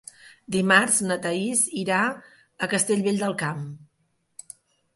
Dimarts na Thaís irà a Castellvell del Camp.